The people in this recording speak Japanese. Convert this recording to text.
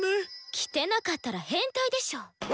着てなかったら変態でしょう！